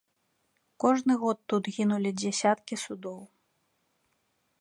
Кожны год тут гінулі дзясяткі судоў.